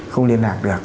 không liên lạc được